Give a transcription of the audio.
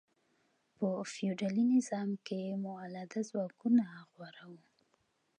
په فیوډالي نظام کې مؤلده ځواکونه غوره وو.